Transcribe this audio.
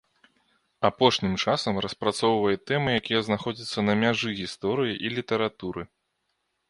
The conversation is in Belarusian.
Апошнім часам распрацоўвае тэмы, якія знаходзяцца на мяжы гісторыі і літаратуры.